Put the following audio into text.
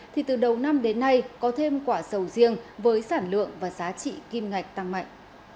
thì từ đầu năm đến nay có thêm quả sầu riêng với sản lượng và giá trị kim ngạch tăng mạnh